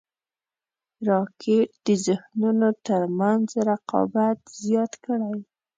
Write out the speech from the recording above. راکټ د ذهنونو تر منځ رقابت زیات کړی